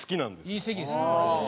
いい席ですよね。